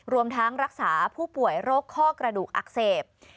รวมทั้งรักษาผู้ป่วยโรคข้อกระดูกอักเสบ